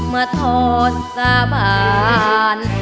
มาโทษสาบาน